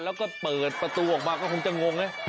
แล้วก็เปิดประตูออกมาก็คงจะงงไง